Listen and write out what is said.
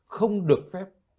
không được phép